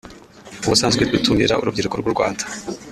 “Ubusanzwe dutumira urubyiruko rw’u Rwanda